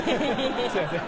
すいません